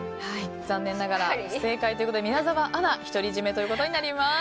残念ながら不正解ということで宮澤アナ独り占めとなります。